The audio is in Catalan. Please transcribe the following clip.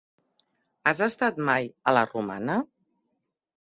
Has estat mai a la Romana?